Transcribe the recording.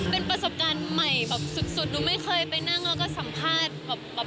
เป็นประสบการณ์ใหม่แบบสุดหนูไม่เคยไปนั่งแล้วก็สัมภาษณ์แบบ